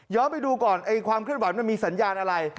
ไปดูก่อนความเคลื่อนไหวมันมีสัญญาณอะไร